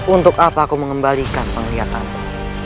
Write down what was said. untuk apa aku mengembalikan penglihatanku